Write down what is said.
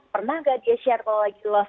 pernah nggak dia share kalau lagi lost